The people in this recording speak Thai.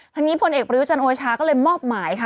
ทางนี้พลเอกประยุจันทร์โอชาก็เลยมอบหมายค่ะ